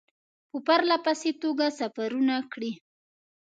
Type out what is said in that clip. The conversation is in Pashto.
په پرله پسې توګه سفرونه کړي.